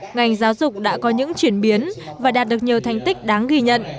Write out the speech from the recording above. ngành giáo dục đã có những chuyển biến và đạt được nhiều thành tích đáng ghi nhận